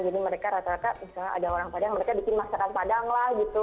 jadi mereka rata rata misalnya ada orang padang mereka bikin masakan padang lah gitu